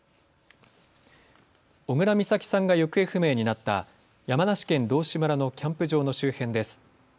小倉美咲さんが行方不明になった山梨県道志村のキャンプ場の周辺です。